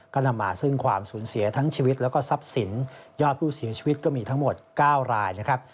ก็นำมาซึ่งความสูญเสียทั้งชีวิตแล้วก็ทรัพย์สินยอดผู้เสียชีวิตก็มีทั้งหมด๙รายนะครับ